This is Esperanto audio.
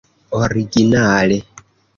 originale